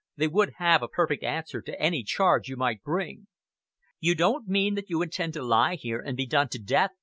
They would have a perfect answer to any charge you might bring." "You don't mean that you intend to lie here and be done to death?"